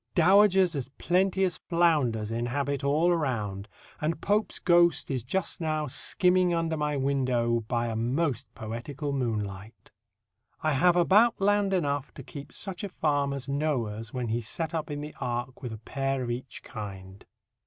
Dowagers as plenty as flounders inhabit all around, and Pope's ghost is just now skimming under my window by a most poetical moonlight. I have about land enough to keep such a farm as Noah's when he set up in the Ark with a pair of each kind.